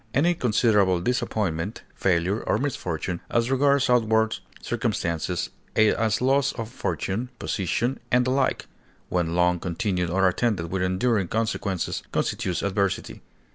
Any considerable disappointment, failure, or misfortune, as regards outward circumstances, as loss of fortune, position, and the like, when long continued or attended with enduring consequences, constitutes adversity.